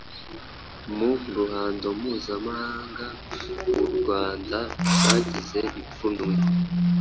Mu ruhando mpuzamahanga u Rwanda rwagize ipfunwe.